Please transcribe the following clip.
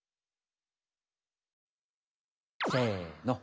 せの。